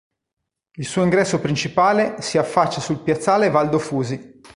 Il suo ingresso principale si affaccia sul piazzale Valdo Fusi.